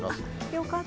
よかった。